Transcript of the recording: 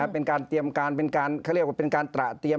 เป็นการเตรียมการเป็นการเขาเรียกว่าเป็นการตระเตรียม